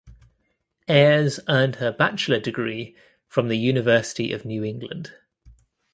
Ayres earned her bachelor degree from the University of New England.